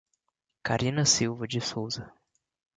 Carina Silva de Souza